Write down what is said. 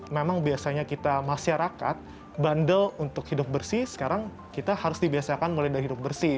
memang biasanya kita masyarakat bandel untuk hidup bersih sekarang kita harus dibiasakan mulai dari hidup bersih